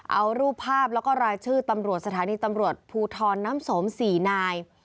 เอารูปภาพแล้วก็รายชื่อตำรวจสถานีตำรวจภูทรน้ำสม๔นาย